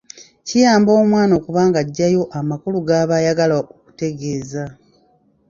Kiyamba omwana okuba ng’aggyayo amakulu g’aba ayagala okutegeeza.